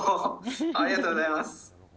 ありがとうございます。